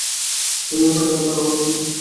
অধীর হয়ো না, তাড়াহুড়ো করো না।